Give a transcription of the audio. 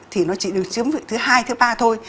thì nó chỉ được chiếm vị thứ hai thứ ba thôi